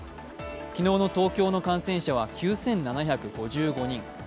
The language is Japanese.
昨日の東京の感染者は９７５５人。